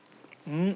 うん！